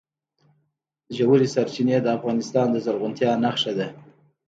ژورې سرچینې د افغانستان د زرغونتیا نښه ده.